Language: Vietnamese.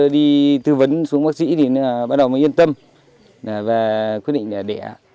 đi tư vấn xuống bác sĩ thì bắt đầu mới yên tâm và quyết định là đẻ